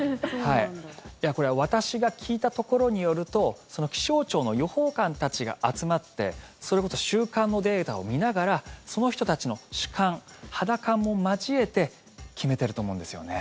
私が聞いたところによると気象庁の予報官たちが集まってそれこそ週間のデータを見ながらその人たちの主観、肌感も交えて決めてると思うんですよね。